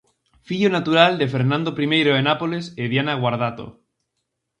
Fillo natural de Fernando Primeiro de Nápoles e Diana Guardato.